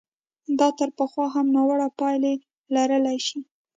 دا تر پخوا هم ناوړه پایلې لرلای شي.